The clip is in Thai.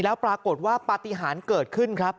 แล้วปรากฏว่าปฏิหารเกิดขึ้นครับ